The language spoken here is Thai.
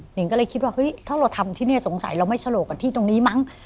หญิงก็เลยคิดว่าเฮ้ยถ้าเราทำที่นี่สงสัยเราไม่ฉลกกับที่ตรงนี้มั้ง